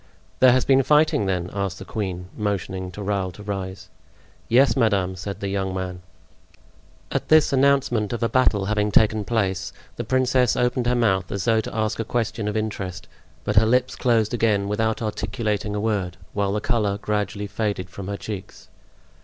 "There has been fighting, then?" asked the queen, motioning to Raoul to rise. "Yes, madame," said the young man. At this announcement of a battle having taken place, the princess opened her mouth as though to ask a question of interest; but her lips closed again without articulating a word, while the color gradually faded from her cheeks.